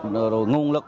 để tìm hiểu